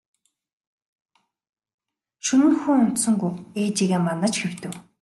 Шөнө нь хүү унтсангүй ээжийгээ манаж хэвтэв.